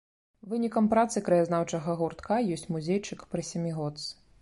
Вынікам працы краязнаўчага гуртка ёсць музейчык пры сямігодцы.